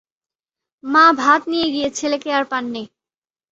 মা ভাত নিয়ে গিয়ে ছেলেকে আর পাননি।